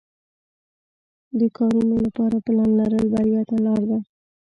د کارونو لپاره پلان لرل بریا ته لار ده.